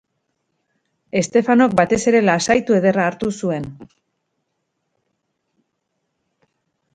Stefanok batez ere lasaitu ederra hartu zuen.